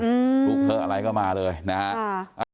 พูดเผลออะไรก็มาเลยนะฮะ